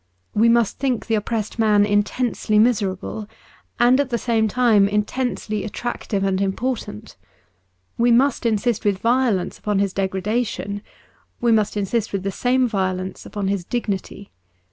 We must think the oppressed man intensely miserable, and at the same time intensely attractive and important. We must insist with violence upon his degradation ; we must insist with the same violence upon his dignity.